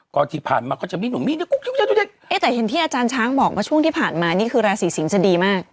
ก็ที่ผ่านมาก็จะมีหนุ่มแต่เห็นที่อาจารย์ช้างบอกมาช่วงที่ผ่านมานี่คือราศีสิงศ์จะดีมาก